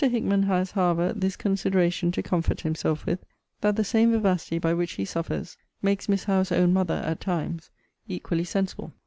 Hickman has, however, this consideration to comfort himself with, that the same vivacity by which he suffers, makes Miss Howe's own mother, at times, equally sensible.